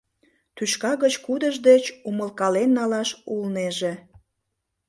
Тӱшка гыч кудыж деч умылкален налаш улнеже?